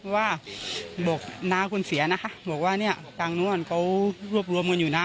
ว่าบอกน่าคุณเสียน่ะค่ะบอกว่าเนี้ยต่างนู่นเขารวบรวมคนอยู่น่ะ